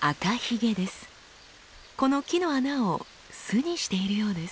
この木の穴を巣にしているようです。